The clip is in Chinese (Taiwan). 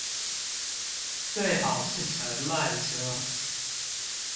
最好是乘慢車